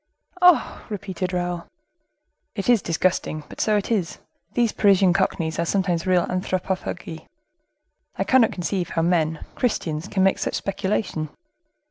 "Oh!" repeated Raoul. "It is disgusting, but so it is. These Parisian cockneys are sometimes real anthropophagi. I cannot conceive how men, Christians, can make such speculation.